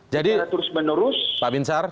jadi pak binsar